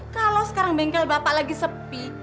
kalau sekarang bengkel bapak lagi sepi